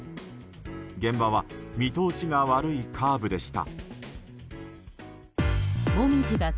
現場は見通しが悪いカーブでした。